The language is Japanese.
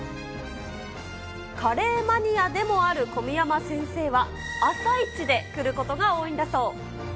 カレーマニアでもある小宮山先生は、朝一で来ることが多いんだそ